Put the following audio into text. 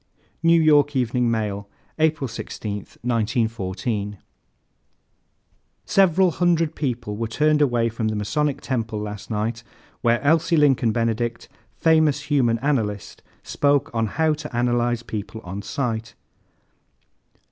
New York Evening Mail, April 16, 1914. "Several hundred people were turned away from the Masonic Temple last night where Elsie Lincoln Benedict, famous human analyst, spoke on 'How to Analyze People on Sight.'